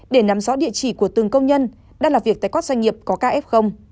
để nắm rõ địa chỉ của từng công nhân đang làm việc tại các doanh nghiệp có kf